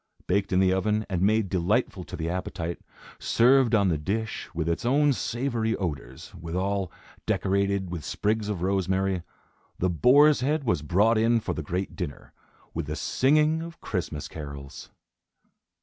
Baked in the oven, and made delightful to the appetite, served on the dish, with its own savory odors; withal, decorated with sprigs of rosemary, the boar's head was brought in for the great dinner, with the singing of Christmas carols.